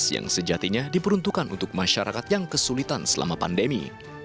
yang sejatinya diperuntukkan untuk masyarakat yang kesulitan selama pandemi